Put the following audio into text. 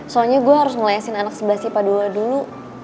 soalnya gue harus ngelayasin anak sebelas ipad dua dulu